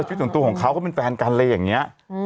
ชีวิตส่วนตัวของเขาก็เป็นแฟนกันเลยอย่างนี้